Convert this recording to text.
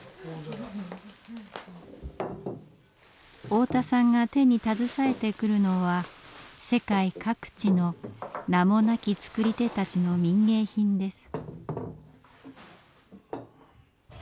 太田さんが手に携えてくるのは世界各地の名もなき作り手たちの民藝品です。